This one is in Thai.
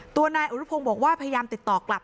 ตัวนายอุรุพงศ์บอกว่าพยายามติดต่อกลับ